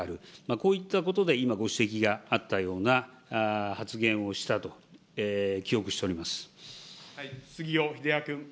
こういったことで今、ご指摘があったような発言をしたと記憶して杉尾秀哉君。